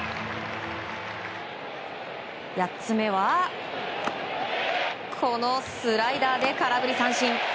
８つ目は、このスライダーで空振り三振。